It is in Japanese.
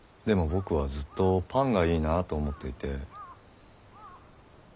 でも僕はずっとパンがいいなぁと思っていて。